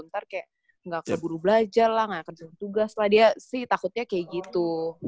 ntar kayak nggak keburu belajar lah nggak kerjain tugas lah dia sih takutnya kayak gitu